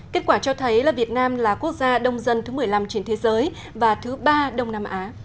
kết quả cho thấy là việt nam là quốc gia đông dân thứ một mươi năm trên thế giới và thứ ba đông nam á